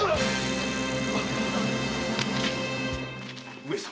上様！